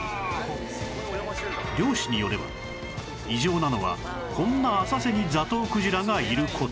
漁師によれば異常なのはこんな浅瀬にザトウクジラがいる事